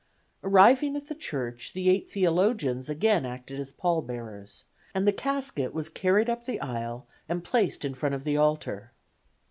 Arriving at the church the eight theologians again acted as pall bearers, and the casket was carried up the aisle and placed in front of the altar.